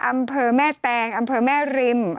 อำเภอแม่แตงอำเภอแม่ริม